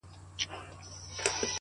ډېوې پوري ـ